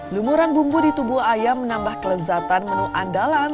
lumuran bumbu di tubuh ayam menambah kelezatan menu andalan